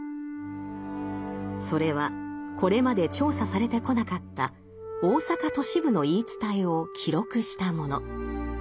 それはこれまで調査されてこなかった大阪都市部の言い伝えを記録したもの。